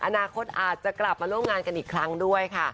อนาคตอาจจะกลับมาร่วมงานกันอีกครั้งด้วยค่ะ